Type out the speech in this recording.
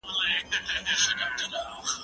زه اوږده وخت موبایل کاروم!.